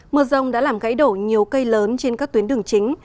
mưa rông đã làm gãy đổ nhiều cây lớn trên các tuyến đường chính